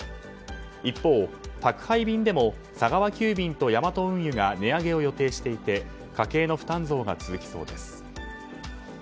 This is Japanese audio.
一方、宅配便でも佐川急便とヤマト運輸が値上げを予定していて家計の負担増が続きそうです。